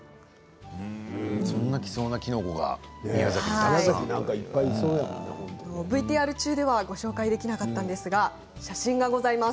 そんな貴重なキノコがＶＴＲ中ではご紹介できなかったんですが写真がございます。